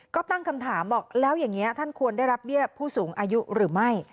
ก็ตั้งคำถามบอกแล้วอย่างนี้ท่านควรได้รับเบี้ยผู้สูงอายุหรือไม่